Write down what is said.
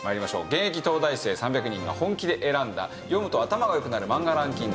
現役東大生３００人が本気で選んだ読むと頭が良くなる漫画ランキング